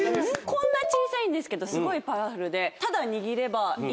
こんな小さいんですけどすごいパワフルで。